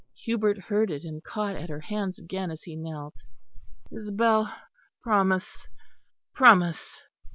Hubert heard it, and caught at her hands again as he knelt. "Isabel, promise, promise."